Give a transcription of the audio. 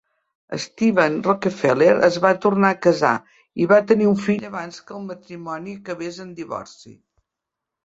Steven Rockefeller es va tornar a casar i va tenir un fill abans que el matrimoni acabés en divorci.